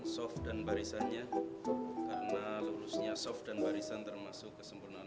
sampai jumpa di video selanjutnya